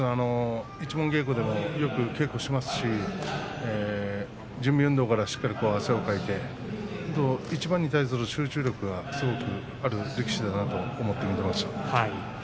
一門稽古でもよく稽古しますし準備運動からしっかり汗をかいて一番に対する集中力がすごくある力士だなと思ってます。